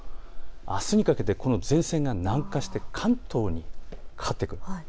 あすにかけてこの前線が南下して関東にかかってくる。